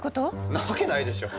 んなわけないでしょ！